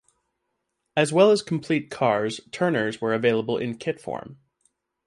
As well as complete cars, Turners were available in kit form.